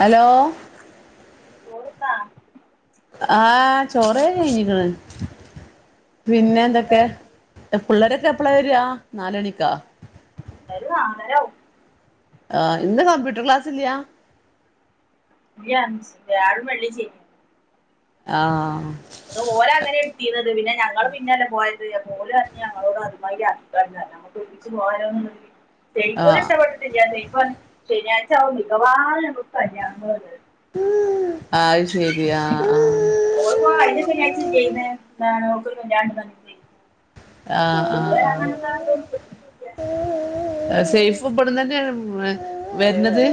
Hello ചോറ്ന്നാ ആ ചോറ കഴിഞ്ഞേക്ണ് എന്തേ പിന്നെ എന്തൊക്കെ കൂട്ടാന് പിള്ളേരൊക്കെ എപ്പളാ വരിക നാലണിക്കാ പിള്ളേര് നാലാരാവും ആഹ് ഇന്ന് കമ്പ്യൂട്ടർ ക്ലാസ്സില്ല്യ [unintelligible] വ്യാഴോം വെള്ളീം ശനീം ആ ഓര് അങ്ങനെ എടുത്തീനത് പിന്നെ ഞങ്ങള് പിന്നെല്ല പോയത് ഓര് പറഞ്ഞു ഞങ്ങളോട് അതുമായി നമ്മക്ക് ഒരുമിച്ച് പോവാല്ലോ ആ [unintelligible] [unintelligible] ശനിയാഴ്ച ആവും മിക്കവാറും ഞങ്ങൾ കല്യാണങ്ങൾ വരുവായിരുന്നു ഉം അത് ശരി ആ ആ ഓളിപ്പോ കഴിഞ്ഞ ശനിയാഴ്ച [unintelligible] ആ ആ ഇതുവരെ അങ്ങനതൊന്നും [unintelligible] എ സേഫ് ഇബടന്ന് തന്നെയാണ് [unintelligible]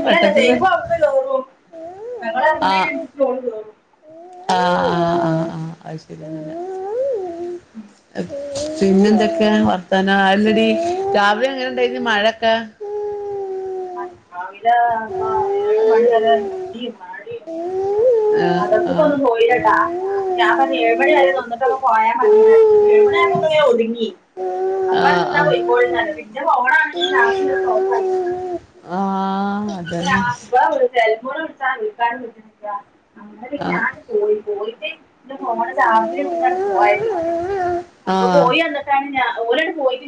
അല്ലല്ല വട്ടത്തിൽ തന്നെ സേഫ് അവിടെന്ന് [unintelligible] ‌ഞങ്ങള് ആ എറങ്ങണേന് അനുസരിച്ച് ഓല് കേറും ആ ആ ആ ആ അത് ശരിയാണല്ലേ പിന്നെന്തൊക്കെയാ വർത്താനം അത് അല്ലടി രാവിലെ എങ്ങനെ ഇണ്ടായിന് മഴക്കെ രാവി ഇല്ല [unintelligible] ഏഴ് മണി വരെ ഇടി മഴയും [unintelligible] ആഹ് ആഹ് മദ്രസക്കൊന്നും പോയില്ലാട്ടാ ഞാ പർഞ്ഞ ഏഴ് മണിവരെ നിന്നിട്ടൊക്കെ പോയാമതീന്നർഞ്ഞ് ഏഴ് മണിയായ [unintelligible] ഒത്ങ്ങി. ആഹ് അപ്പന്തെതാ ആഹ് പോയ്കോളീന്നർഞ്ഞ് [unintelligible] പോണാ ഈ ഗ്യാസിവടെ ഓഫായി ആഹ് ഇത് അതന്നെ ലാസ് ബവിൾ സെൽഫോണ് വിൾച്ചാ വിൾക്കാനും കിട്ടണില്ല. അങ്ങനെ പിന്നെ ആഹ് ഞാന് പോയി പോയിട്ട് ഇൻ്റെ ഫോണ് ചാർജിലിട്ട്ങ്ങാണ്ട് പോയത്. ആഹ് ഓലട് പോയിട്ട്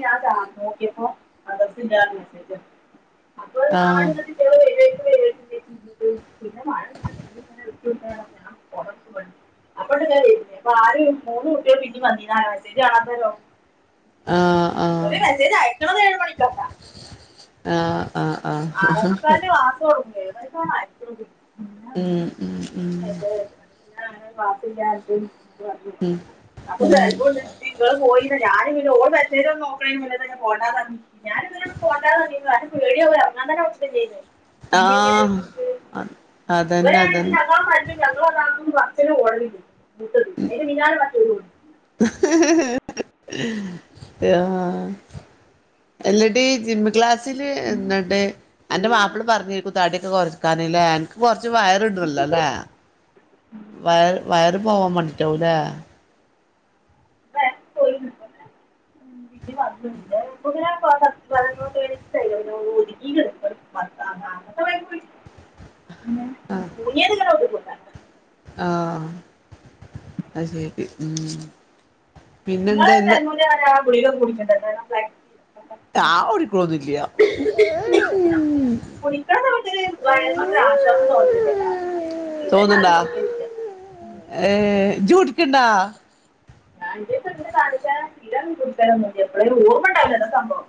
നോക്കിയപ്പോൾ മദ്രസ ഇല്ല പറഞ്ഞു ആഹ് [unintelligible] ആഹ് ഒരു മെസേജ് അയക്ക ഏഴ മണിക്കോട്ടാ ആഹ് ആഹ് ആറേ ആഹ് മുക്കാല് ആ നിങ്ങള് ഉം ഉം പോയിന് ഞാന് പിന്നെ ഓന് മെസേജ് നോക്ക്ണെന്റെ മുന്നെതന്നെ പോണ്ടന്ന് പറഞ്ഞിനു ഞാനിന്നലെ പോണ്ടാന്ന് പറഞ്ഞിന് കാരണം പേടിയ ഞാൻ തന്നെ വിളിച്ചിട്ടില്ലായിനു പിന്നങ്ങനെ ആഹ് അറിഞ്ഞു അതന്നെ ഇബടെണ്ച്ചെങ്കി അതന്നെ ഞങ്ങളും [unintelligible] [unintelligible] ആ അല്ലടി ജിംക്ലാസ് ചില് നടേ അന്റെ മാപ്ല പറഞ്ഞേര്ക്കും തടിയൊക്കെ കൊറക്കാനില്ലേ അന്ക്ക് കൊറ് ച്ച് വയറൊന്നുലലെ വയറ് വയറ് പോവാമാണ്ടിട്ടാവുംലെ [unintelligible] [unintelligible] ഒതുങ്ങീക്ണ അന്നത്തെമാതിരി [unintelligible] ആ അ ശെരി മ് ഇങ്ങള് സൽമുന്റെ ആരാ? കുറീലൊന്നും കൂടിക്കണ്ട ലെ ഞാൻ ഒരുക്കണൊന്നുല്ല്യ കുടിക്കണ സമയത്ത് വയറിനൊരു ആശ്വാസം തോന്നിട്ടുണ്ട് കേട്ടാ പിന്നെ ഞാനും തോന്ന്ണ്ടാ കുടിക്കുന്നില്ല ഏ ഇജോരുക്ക്ണ്ടോ ഞാൻ ന്റട്ത് [unintelligible] ച്ച സ്ഥിരം ഒരുത്തരൊന്നുല്ല എപ്പോഴേങ്കിലുള്ളൂ ഓർമ്മ ഉണ്ടാവൂല അതാ സംഭവം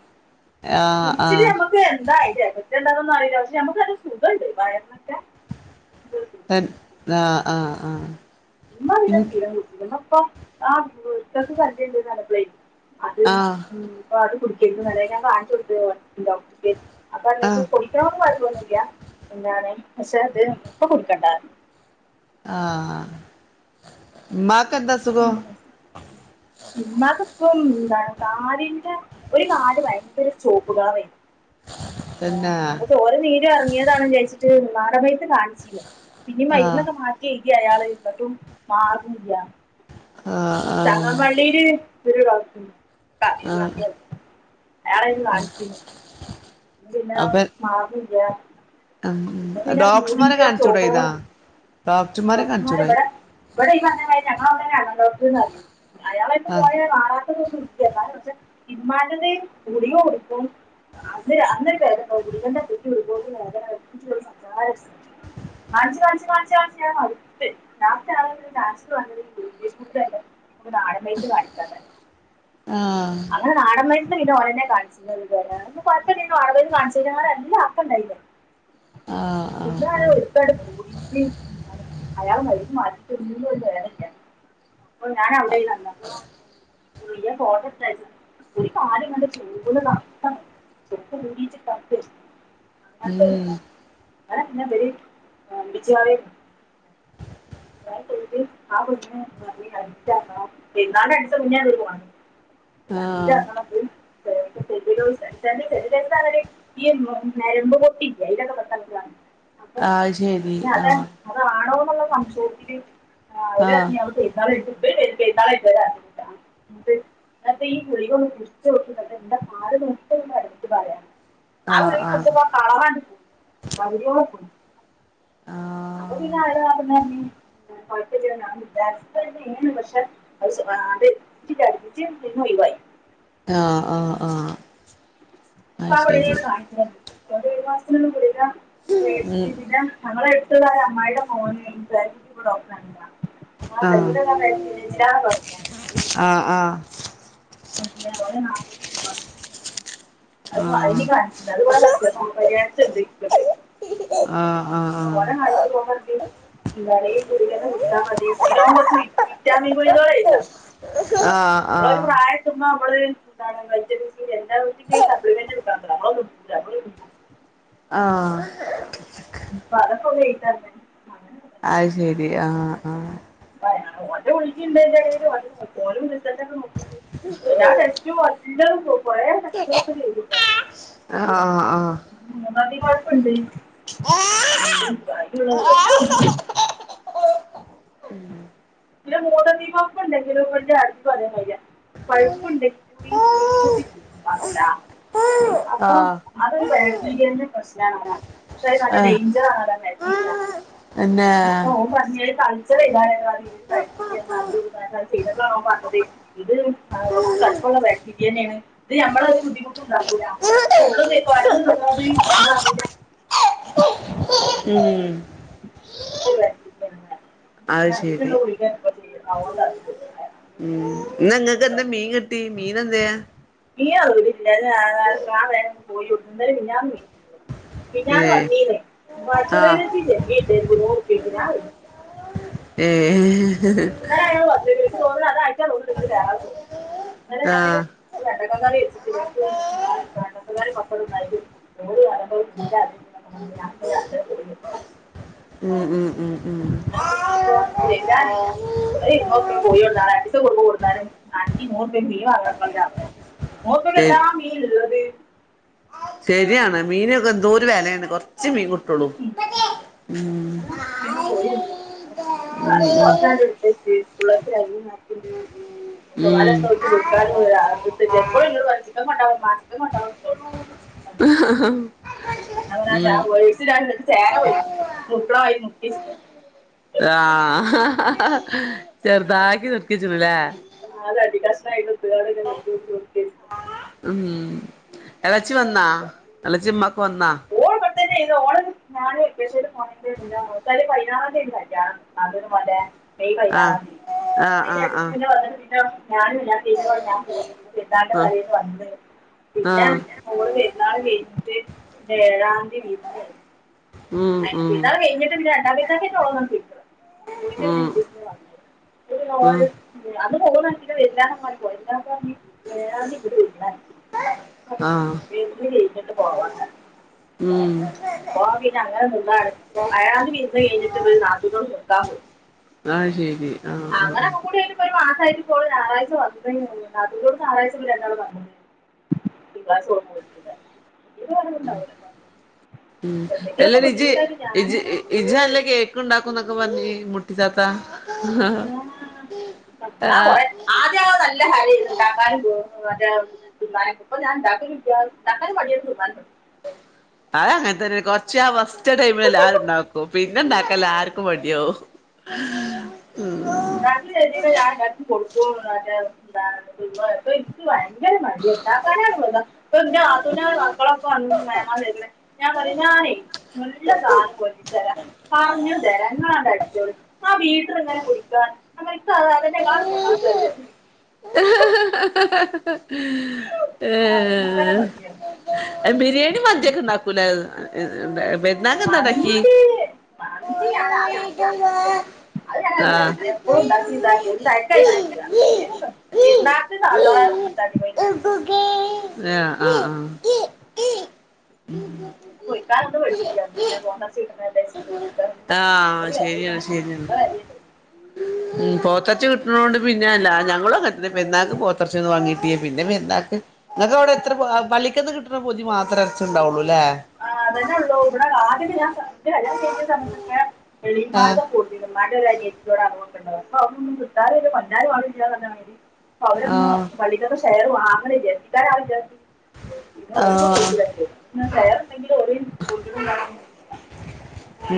ആഹ് കുടിച്ചില് ആഹ് നമ്മുക്ക് എന്തായി എഫക്ട്ണ്ടകൊനൊന്നും അറിയില്ല പക്ഷെ നമുക്കരു സുഖണ്ട് വയറിനൊക്കെ എന്തോ സുഖം. തൻ ആ ആ ആ ഉമ്മ വീട് സ്ഥിരം വിളിച്ചിരുന്നു അപ്പ ത്താക്ക് ഛർദിണ്ട്ന്ന് പറഞ്ഞപ്പളേ അത് ആഹ് മ് അത് കുടിക്കല്ല മളെ ഞാൻ കാണിച്ചു കൊട് അ ഡോക്ടർ അപ്പൊ [unintelligible] ആഹ് ചോയ്ക്ക്ണൊണ്ട് കൊഴപ്പൊന്നുല്ല പിന്നാണ് പക്ഷെ ഇത് ഇപ്പ കുടിക്കണ്ടാന്ന് പറഞ്ഞു ആ മ്മാക് കെന്താസുഖം ഉമ്മാക്ക് ഇപ്പം എന്താണ് കാലിന്റെ ഒരു കാല് ഭയങ്കര ചോപ്പ് കളറേന്നു ആ തന്നെ അപ്പൊ ചോരേം നീരും എറങ്ങിയതാണിചാരിച്ചിട്ട് വാദവെയ്ത് കാണി പിന്നിം ആഹ് മയ്ന്നൊക്കെ മാറ്റി എയ്തി അയാള് ന്നട്ടും മാറ്ണ്ല്ലാ ആഹ് ചള ആഹ് മളീല് തെരെ ടാസ്ക്ന്ന് ആഹ് തയ്റോട്ന്റെ വേറാരും കാൺച്ചിനി ജിനാ മാ ഉയാ അം ഉം ഡോക്ടർമാരെ കാണിച്ചുടേയ്ന്നാ ഡോക്ടർമാര് ബടെ ഇബടെ ഈ പറഞ്ഞ മാതിരി ഞങ്ങളവ്ടെ അ ഡോക്ട്ന്ന് അറിയും അയാളെട്ത്ത് ആഹ് പോയ കാണാത്തതൊന്നും ഇല്ല്യ ന്നാലും പക്ഷെ ഇമ്മാന്റത് ഗുളിക കുടിക്കും അന്ന് അന്നൊരു വേദന പേതണ്ടാവും ഗുളികന്റെ [unintelligible] ള്ള വേദനാറിം [unintelligible] കാൺച്ച് കാൺച്ച് കാൺച്ച് കാൺ ച്ച് ഞാൻ മട്ത്ത് ലാസ്റ്റ് അയാൾ ലാസ്റ്റ് പർഞ്ഞത് യുകെജി കുട്ട്യാണ് നാടൻ വൈദ്യം കാണിക്കാത്രെ ആഹ് അങ്ങനെ നാടൻ വയ് പിന്നെ ഓലെന്നെ കാൺച്ച് [unintelligible] കൊയപ്പല്ലേനിന്നാ വാടക പെരീന്ന് കാൺച്ചേലേറെ നല്ല ആക്കണ്ടായ്നി ആഹ് ആഹ് പിന്നാണ് ആഹ് ഓരുക്കങ്ങൊട്ട് കൂടിട്ട് അയാള് മരുന്നു മാറ്റിത്തരുന്നുവില്ല ഡയറക്റ്റ് അപ്പ ഞാനാ [unintelligible] ഒരു കൊലമിട്ടാരുന്നു ഈ കാലങ്ങണ്ട് ചൂടും കൊണ്ടാ [unintelligible] ഉം അതെന്നാ അന പിന്നെ ഈ വിച്ചറ എന്താ കഴിച്ചത് [unintelligible] [unintelligible] ആഹ് പോയി [unintelligible] ഈ ഞരമ്പു പൊട്ടില്ലേ [unintelligible] അപ്പൊ അത് ശരി പിന്നെ അതെ ആഹ് അതാണോ ക്കൊള്ള സംശ പോക്കില് ആ അവര് ആഹ് പറഞ്ഞു അവിടെ പെരുന്നാള് കഴിഞ്ഞിട്ട് പെരുന്നാള് കഴിഞ്ഞിട്ട് വരാം എന്തെ ഈ ഗുളിക ഒന്ന് [unintelligible] പറയാം ആ ആഹ് ഗുളിക ആഹ് കൊടുത്തപ്പോ ആ കളറങ്ങോട്ട് പകുതിയോളം പോയി പ്പ പിന്നെ ആരാ നോക്കുന്നെ ഇനി കുഴപ്പവില്ല ഞാൻ നിക്കാൻ [unintelligible] പക്ഷെ അതെ ഇച്ചരെ അടുപ്പിച്ച് പിന്നെ ഒഴിവായി ആ ആ ആ അപ്പൊ അവിടെയ്ന്ന് കാണിക്കാൻ ഏഴു മാസത്തിനുള്ള ഗുളിക ഉം മേടിച്ചിനിന ഞങ്ങളെ ഇവിടെ അമ്മായിയുടെമോന് [unintelligible] ഡോക്ടറെ കണ്ടീന ആ [unintelligible] ആഹ് വരില്ലാന്ന് പറഞ്ഞു ആഹ് എല്ലാ ഓര് [unintelligible] ആ അത് ആഹ് എനിക്ക് കരച്ചിൽ അത് ഇവിടെ [unintelligible] [unintelligible] ആഹ് ആഹ് ആഹ് ആവോളെ ഹൈറ്റ് പോ [unintelligible] എന്നാലെ ഈ കുടിക്കെ കുച്ചാൽ മതി പിന്നെ ഓൻ കുറച്ച് വിറ്റാമിൻ ഗുളികകൾ എഴുതിത്തന്നു ആഹ് ആഹ് വിറ്റാമിൻ സി എല്ലാ [unintelligible] ആഹ് ഇപ്പോ അതൊക്കെ ഉപ അങ്ങനെ അയ് ശെരി ആഹ് ആഹ് ഓന്റെ വിളിക്കണ്ടെലും ഓല് റിസൾട്ട് ഒക്കെ നോക്കണ്ട് എല്ലാ ആഹ് ടെസ്റ്റും വല്ലതും കൊറെ ടെസ്റ്റുകളൊക്കെ ചെയ്തു ആഹ് ആഹ് വതി കൊഴപ്പുണ്ട് ബാക്കിയുള്ളതുകെട്ടോ ഇന്റെ മോള് [unintelligible] എന്റെകൂടെ പഠിച്ച ആസിഫും അതെ മാതിരിയ പഴുപ്പുണ്ടെങ്കിൽ ഉം കൂടി ബുദ്ധിമുട്ടിക്കാൻ വന്നില്ല അപ്പൊ ആഹ് അതൊരു ബാക്ടീരിയന്റെ പ്രശ്നാണ് തോന്നുന്നു പക്ഷെ അത് നല്ല ആഹ് ഡേയ്ഞ്ചറാണ് ആ ബാക്റ്റീരിയ പിന്നെ അപ്പോ ഓൻ പറഞ്ഞത് കൾച്ചറെയ്താലെന്ന് പറഞ്ഞു നല്ലൊരു [unintelligible] ചെയ്തതാ ഓൻ പറഞ്ഞത് ഇത് കുറച്ച് കടുപ്പുള്ള ബാക്ടിരിയ തന്നെയാണ് ഇത് നമ്മളെ ഒരു ബുദ്ധിമുട്ടുണ്ടാക്കൂല ഫുള്ളും കൊയപ്പോ തിന്നോ ഇത് നമ്മളറിയില്ല ഉം അങ്ങനെ ത്തൊരു ബാക്റ്റീരിയ ആണ് അത് പറഞ്ഞു ശരി അതിലുള്ള ഗുളിക ഇപ്പോ ചെയ്തത് അതോണ്ടാ കിട്ടണേ ഉം ഇന്ന് ഇങ്ങക്ക് എന്താ മീൻ കിട്ടി മീനെന്തേ നീയ്യ് ആ [unintelligible] ഞാൻ കാരണം അത് ഞാൻ പോയി ഇന്നലെ മിനിഞ്ഞാന്ന് മിനിഞ്ഞാന്ന് ഏഹ് വന്നീന് ആഹ് [unintelligible] [unintelligible] ഏഹ് ഇന്നലെ അയാള് വന്നിന് ഓള് അതായിട്ടാ തോന്നുണു ഇങ്ങട് കേറാത്തെ ഇന്നലെ ഞാൻ ചിക്കൻ കറി വെച്ചിട്ട് [unintelligible] ആഹ് ചിക്കൻ കറിയും പപ്പടവും ഇണ്ടായിരുന്നു ഉം ഉം ഉം [unintelligible] ഒരു ഇരുന്നൂറുപ്പയെക്ക് കോഴി കൊണ്ടനാൽ രണ്ടീസം കൂടുമ്പം കൊണ്ടനാലും അന്ക്ക് ഈ നൂറുപ്പയെക്ക് മീൻ മാങ്ങനെക്കാളും ലാഭ ശരി [unintelligible] ശരിയാണ് മീനൊക്കെ എന്തോരു വിലയാണിപ്പൊ ച്ചി മീൻ കൂട്ടോളു ഉം പ്പൊ ഞാൻ പോയിരുന്നു ഉം പയത് കുറച്ചണ്ട് വിട്ടച്ച് [unintelligible] ഉം [unintelligible] ചേന പൊരി നുറക്കണ മാതിരി നുറക്കി ആ ചെറുതാക്കി നക്കിച്ചല്ലേ [unintelligible] ഉം എത ച്ചു വന്നാ വെച്ചിട്ടുണ്ട് നല്ല ചിമ്മാക്ക് വന്ന ആ [unintelligible] മെയ് ആഹ് പതിനാറാം ആഹ് ആഹ് തീയതി ആഹ് [unintelligible] ഞാനും ഇല്ലാത്തോകൊണ്ട് ഞാൻ പോയി പെരുന്നാളിന്റെ ആഹ് തലേന്ന് വന്ന പിന്നെ ആഹ് മോള് പെരുന്നാള് വെ [unintelligible] ഏഴാംതി ഉം [inaudible] ഉം [inaudible] ഉം ഉം ആഹ് ഉം [unintelligible] അങ്ങനെ നിന്നാണ് വയനാട് വിരുന്ന് പോയി കഴിഞ്ഞിട്ട് ഇവര് നാത്തൂന്റോട്ക്ക് നിക്കാൻ പോയി ആ ശരി ആ ആ ഇൊ ഒരു മാസമായിട്ട്പ്പോൾ ഞായറാഴ [inaudible] [inaudible] [inaudible] [inaudible] അല്ലേ ഡി ഇജ് ഇജ് നല്ല കേക്ണ്ടാക്ക [unintelligible] കൊറെ ആദ്യ നല്ല [inaudible] [inaudible] ഇപ്പം ഞാൻ ഇണ്ടക്കലുല്ല ഇപ്പം ഇണ്ടാകാന്നും മടിയാണ് തിന്നാനും മടിയ ആ അങ്ങനത്തെ കുറച്ച അവസ് ച്ച ടൈമിൽ എല്ലാരുണ്ടാക്കും ആ, പിന്നെണ്ടാക്കല്ല ആർക്കും മടിയോം എണ്ടാക്കും ചേീട്ട ഞാൻ എായിടും കൊടുക്കപ്പ എനിക്ക് ഭയങ്കര മട ഉണ്ടാക്കാനാണ് അപ്പൊ എന്റെ ആത്തന മക്കളൊക്കെ വന്ന് വേങ്ങാ ഞാൻ പറ ഞാനേ നല്ല സാധനം പല്ലിച്ചരാ പറഞ്ഞു രങ്ങളണ്ട് അടിച്ചോട് ആ വീട്ടില ഇങ്ങനെ കു [inaudible] ആഹ് ഇങ്ങനെ ഏഹ് കൊ ബിരിയാണി മതിയൊക്കെണ്ടാക്കൂല ണ്ടേ മന്തി മന്തി ഞൻ ആദ്യ അത് ഞങ്ങനെ ആഹ് എപ്പളും ഇണ്ടാക്കി ആഹ് ഇത ക്കായിട്ട്ക്ക [inaudible] ആ ആ ആഹ് ശരിയാണ് ശരിയാണ് [inaudible] ണ്ട് പിന്നെ അല്ല ഞങ്ങളും പെര്ന്നാക്ക് പോത്തെറച്ചി വങ്ങിട്ട് പിന്നെപേര്ന്നാക്ക് ഇങ്ങക്ക് അവിടെ എത്ര ലിക്കന്ന് കിട്ട ത്ര പൊതി മാത്ര [unintelligible] ഉണ്ടാവുള്ളൂ ല്ലേ ആഹ് അതന്നെള്ളൂ ഇവിടെ ആദ്യട്ട ഞാൻ ന്റെ കല്യാണം കഴിഞ്ഞ സമത്തൊക്കെ [unintelligible] ആ ആഹ് രാജീ [unintelligible] നോക്കണ്ടത് [unintelligible] അൊന്നും [unintelligible] അവരൊന്ന് ആഹ് വളിക ശയർ വാങ്ങാണില്ല [unintelligible] പിന്നെ ഒളിപ്പോ ആഹ് കളത്തിലൊക്കെ [unintelligible]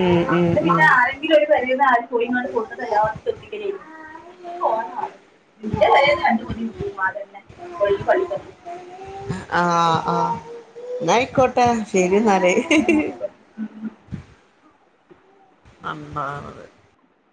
ഉം ഉം ഉം വൈ പള്ളിതന്നെ ആ ആ ന്ന ആയി ട്ടാ ശരി എന്നാലേ പള്ളിക്കത്തും അന്തണത്